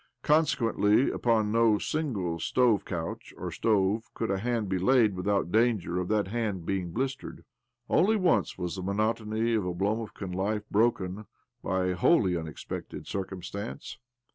Consequently upon no single stove couch or stove could a hand be laid without danger of that hand being blistered. Only once was the monotony of Oblomovkan life broken by a wholly unexpected circumstance.